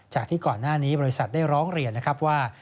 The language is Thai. ที่ก่อนหน้านี้บริษัทได้ร้องเรียนนะครับว่า